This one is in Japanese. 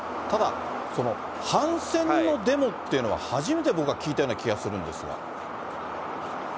ただ、反戦のデモっていうのは初めて僕は聞いたような気がするんですが。